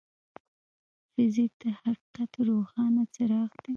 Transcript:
فزیک د حقیقت روښانه څراغ دی.